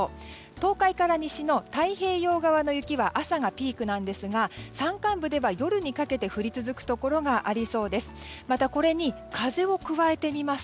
東海から西の太平洋側の雪は朝がピークなんですが山間部では夜にかけて降り続くところがありそうです。